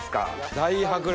大迫力。